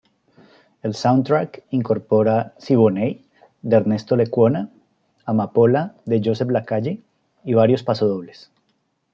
El soundtrack incorpora "Siboney" de Ernesto Lecuona, "Amapola" de Joseph Lacalle y varios pasodobles.